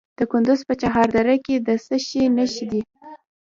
د کندز په چهار دره کې د څه شي نښې دي؟